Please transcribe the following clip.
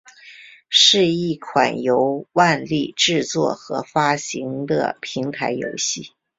是一款由万代制作和发行的平台游戏。